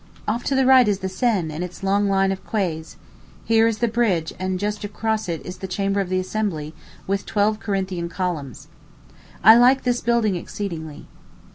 Off to the right is the Seine and its long line of quays; here is the bridge; and just across it is the Chamber of the Assembly, with twelve Corinthian columns, I like this building exceedingly.